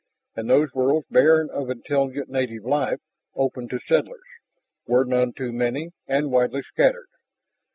And those worlds barren of intelligent native life, open to settlers, were none too many and widely scattered.